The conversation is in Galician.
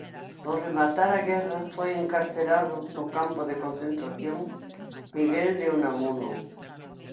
Ao rematar a guerra foi encarcerado no campo de concentración Miguel de Unamuno.